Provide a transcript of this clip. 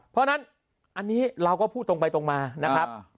เพราะฉะนั้นอันนี้เราก็พูดตรงไปตรงมานะครับ